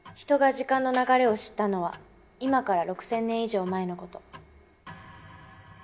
人が時間の流れを知ったのは今から６，０００年以上前の事。